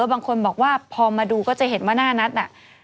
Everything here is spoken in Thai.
บางคนบอกว่าพอมาดูก็จะเห็นว่าหน้านัทน่ะ